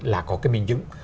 là có cái minh chứng